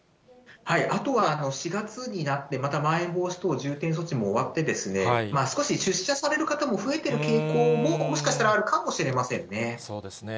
あとは、４月になって、またまん延防止等重点措置も終わって、少し出社される方も増えている傾向も、もしかしたらあるのかもしそうですね。